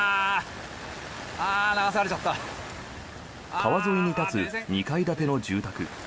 川沿いに立つ２階建ての住宅。